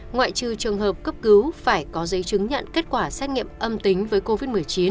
ngoại trừ trường hợp cấp cứu phải có giấy chứng nhận kết quả xét nghiệm âm tính với covid một mươi chín